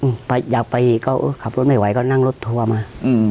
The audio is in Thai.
อ่ะถึงเชิงไกลจำนี่ก็ขับรถไม่ไหวก็นั่งรถทัวร์มา